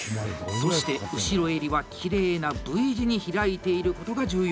そして後ろ襟はきれいなＶ字に開いていることが重要。